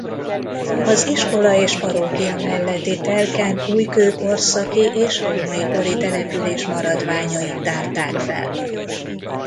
Az iskola és parókia melletti telken újkőkorszaki és római kori település maradványait tárták fel.